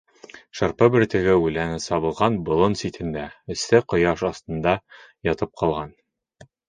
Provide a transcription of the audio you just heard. Шырпы бөртөгө үләне сабылған болон ситендә, эҫе ҡояш аҫтында, ятып ҡалған.